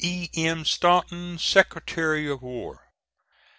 E. M. STANTON, Secretary of War.